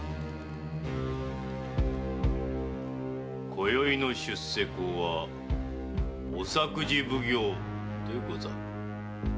今宵の出世講は御作事奉行でござる。